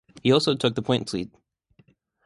He also took the points lead.